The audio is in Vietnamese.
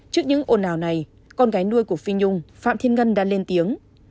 trước những hồi nào này con gái nuôi của phi nhung phạm thiên ngân đã lên tiếng